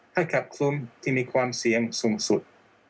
ให้กับซุ้มที่มีความเสี่ยงสูงสุด